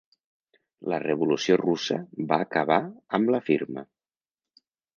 La Revolució russa va acabar amb la firma.